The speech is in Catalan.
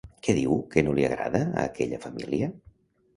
Què diu que no li agrada a aquella família?